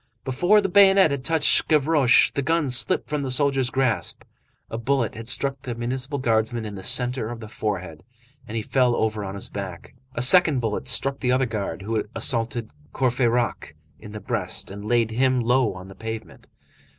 Before the bayonet had touched Gavroche, the gun slipped from the soldier's grasp, a bullet had struck the municipal guardsman in the centre of the forehead, and he fell over on his back. A second bullet struck the other guard, who had assaulted Courfeyrac in the breast, and laid him low on the pavement.